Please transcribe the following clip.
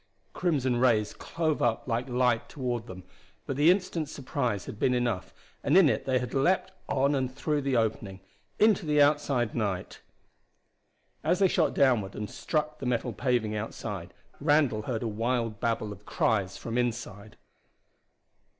Crimson rays clove up like light toward them, but the instant's surprise had been enough, and in it they had leaped on and through the opening, into the outside night! As they shot downward and struck the metal paving outside, Randall heard a wild babble of cries from inside.